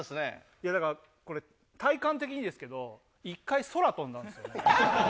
いやだからこれ体感的にですけど一回空飛んだんですよね。